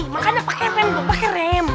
makanya pake pen pake rem